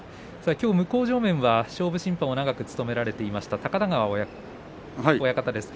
きょう向正面は勝負審判を長く務められていました高田川親方です。